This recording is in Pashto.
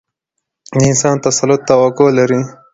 د انسان د تسلط توقع لري.